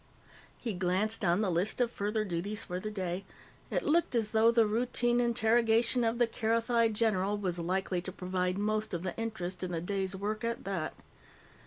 He glanced down the list of further duties for the day. It looked as though the routine interrogation of the Kerothi general was likely to provide most of the interest in the day's work at that.